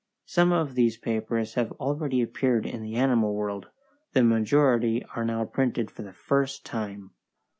Some of these papers have already appeared in The Animal World; the majority are now printed for the first time.